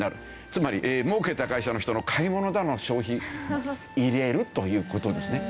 つまり儲けた会社の人の買い物などの消費も入れるという事ですね。